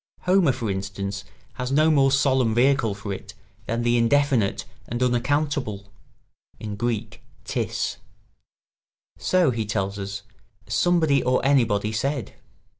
Homer, for instance, has no more solemn vehicle for it than the indefinite and unaccountable [Greek: tis]. "So," he tells us, "somebody or anybody said."